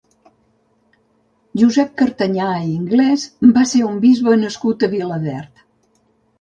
Josep Cartañà i Inglés va ser un bisbe nascut a Vilaverd.